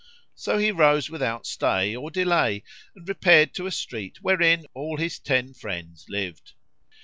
So he rose without stay or delay, and repaired to a street wherein all his ten friends lived.